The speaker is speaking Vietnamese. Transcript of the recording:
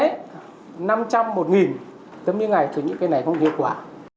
tới mấy ngày thì những cái này không hiệu quả